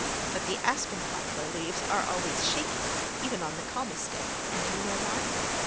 But the aspen poplar leaves are always shaking, even on the very calmest day. And do you know why?"